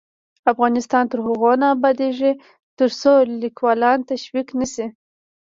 افغانستان تر هغو نه ابادیږي، ترڅو لیکوالان تشویق نشي.